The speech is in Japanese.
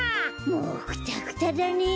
もうクタクタだね。